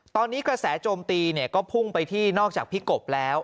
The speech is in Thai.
ตอนนี้กระแสโจมตีก็พุ่งไปที่นอกจากพี่กบแล้ว